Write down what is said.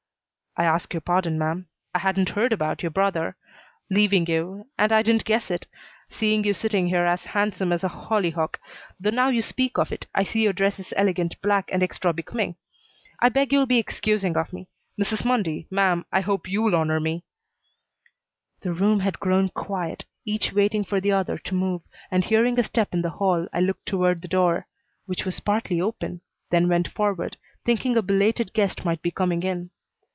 "I ask your pardon, ma'am. I hadn't heard about, your brother leaving you, and I didn't guess it, seeing you sitting here as handsome as a hollyhock, though now you speak of it, I see your dress is elegant black and extra becoming. I beg you'll be excusing of me. Mrs. Mundy, ma'am, I hope you'll honor me." The room had grown quiet, each waiting for the other to move, and, hearing a step in the hall, I looked toward the door, which was partly open, then went forward, thinking a belated guest might be coming in.